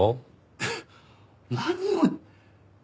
えっ？何を。